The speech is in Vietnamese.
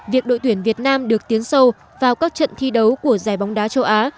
việc đội tuyển việt nam được tiến sâu vào các trận thi đấu của giải bóng đá châu á